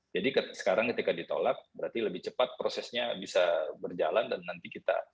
jadi sekarang ketika ditolak berarti lebih cepat prosesnya bisa berjalan dan nanti kita